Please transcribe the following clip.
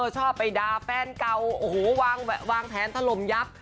ชอบไปด่าแฟนเก่าวางแถนถล่มยับ